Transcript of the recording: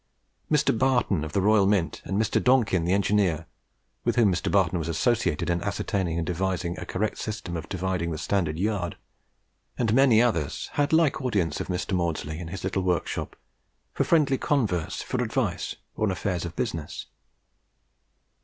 Mr. Barton of the Royal Mint, and Mr. Donkin the engineer, with whom Mr. Barton was associated in ascertaining and devising a correct system of dividing the Standard Yard, and many others, had like audience of Mr. Maudslay in his little workshop, for friendly converse, for advice, or on affairs of business.